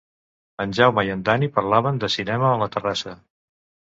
En Jaume i en Dani parlaven de cinema a la terrassa